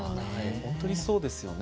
本当にそうですよね。